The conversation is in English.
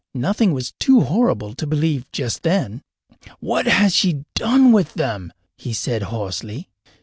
Nothing was too horrible to believe just then. "What has she done with them?" he said hoarsely.